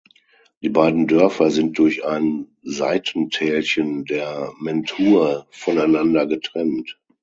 Die beiden Dörfer sind durch ein Seitentälchen der Mentue voneinander getrennt.